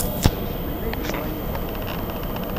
Melmi ay yeẓra Yuba?